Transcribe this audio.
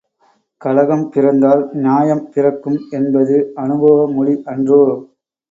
கலகம் பிறந்தால் நியாயம் பிறக்கும் என்பது அனுபவமொழி அன்றோ!